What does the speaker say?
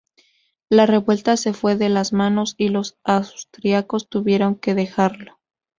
La revuelta se fue de las manos y los austríacos tuvieron que dejarlo.